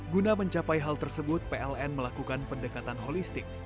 guna mencapai hal tersebut pln melakukan pendekatan holistik